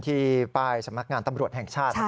ที่ป้ายสำนักงานตำรวจแห่งชาติ